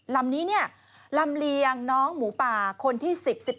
ลำนี้ลำเลียงน้องหมูป่าคนที่๑๐๑๑